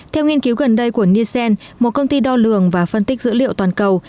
theo nghiên cứu gần đây của nielsen một công ty đo lường và phân tích dữ liệu toàn cầu